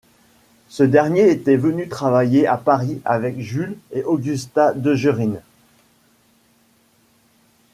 Ce dernier était venu travailler à Paris avec Jules et Augusta Dejerine.